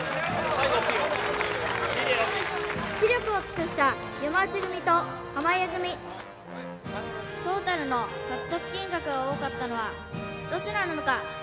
死力を尽くした山内組と濱家組トータルの獲得金額が多かったのはどちらなのか？